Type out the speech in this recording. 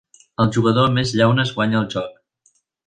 El jugador amb més llaunes guanya el joc.